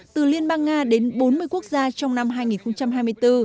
từ liên bang nga đến bốn mươi quốc gia trong năm hai nghìn hai mươi bốn